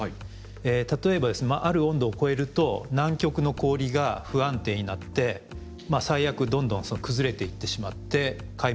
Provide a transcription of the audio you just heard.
例えばある温度を超えると南極の氷が不安定になって最悪どんどん崩れていってしまって海面上昇が加速するとか。